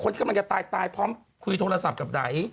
ที่กำลังจะตายพร้อมคุยโทรศัพท์กับไหน